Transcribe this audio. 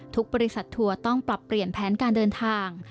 บริษัททัวร์ต้องปรับเปลี่ยนแผนการเดินทาง